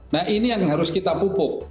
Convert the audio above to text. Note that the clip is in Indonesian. nah ini yang harus kita pupuk